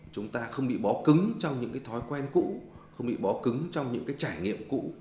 chúng ta không bị bó cứng trong những cái thói quen cũ không bị bó cứng trong những cái trải nghiệm cũ